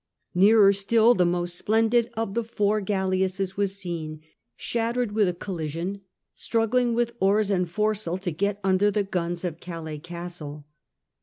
Nearer still the most splendid of the four galleasses was seen, shattered with a collision, struggling with oars and foresail to get under the guns of Calais Castle.